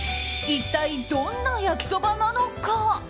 一体、どんな焼きそばなのか。